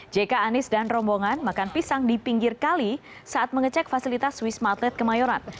jk anies dan rombongan makan pisang di pinggir kali saat mengecek fasilitas wisma atlet kemayoran